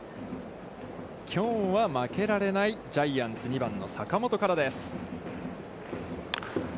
きょうは負けられないジャイアンツ２番の坂本からです。